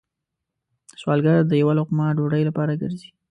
سوالګر د یو لقمه ډوډۍ لپاره گرځي